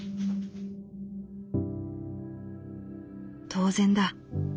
「当然だ。